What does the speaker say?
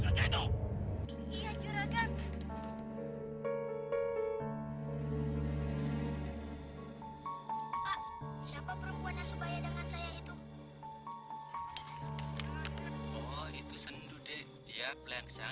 kakak sudah lelah